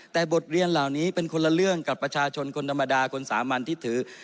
แต่บทเรียนเหล่านี้เป็นคนละเรื่องกับประชาชนคนธรรมดาคนสามัญที่ถือ